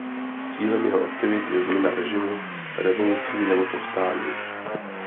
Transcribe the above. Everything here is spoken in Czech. Cílem jeho aktivit je změna režimu revolucí nebo povstáním.